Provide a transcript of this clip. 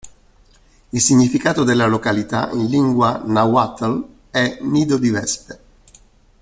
Il significato della località in lingua nahuatl è "nido di vespe".